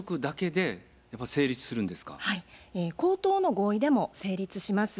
口頭の合意でも成立します。